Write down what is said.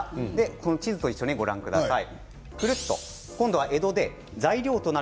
地図と一緒にご覧ください。